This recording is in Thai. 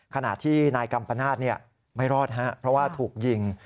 ขณะที่นายกัมปนาศไม่รอดเพราะว่าถูกยิง